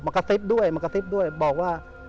มากระซิบด้วยบอกว่า